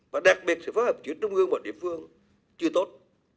và đặc biệt sự phát hợp chuyển trung ương vào địa phương chưa tốt